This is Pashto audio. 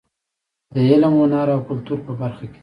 د علم، هنر او کلتور په برخه کې.